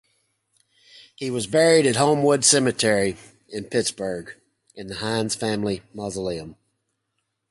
He was buried at Homewood Cemetery in Pittsburgh, in the Heinz Family Mausoleum.